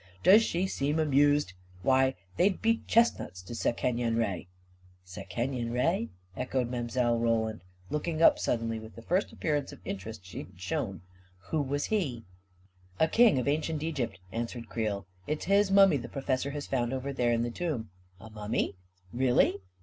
u Does she seem amused ? Why they'd be chestnuts to Sekeny en Re !"" Sekenyen Re? " echoed Mile. Roland, looking up suddenly with the first appearance of interest she had shown. " Who was he ?" "A king of ancient Egypt," answered Creel. " It's his mummy the professor has found over there in the tomb." "A mummy? Really?"